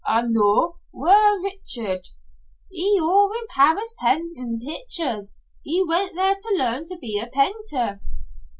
"An' noo whaur is Richard?" "He's awa' in Paris pentin' pictures. He went there to learn to be a penter."